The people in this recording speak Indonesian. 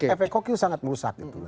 efek hoax itu sangat merusak